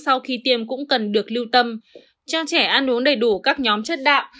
sau khi tiêm cũng cần được lưu tâm cho trẻ ăn uống đầy đủ các nhóm chất đạo